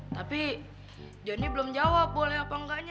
tapi johnny belum jawab boleh apa enggaknya